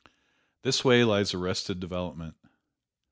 This way lies arrested development.